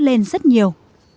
lên rất nhiều